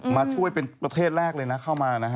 มาช่วยเป็นประเทศแรกเลยนะเข้ามานะฮะ